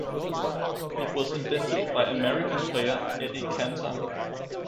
It was invented by American player Eddie Kantar.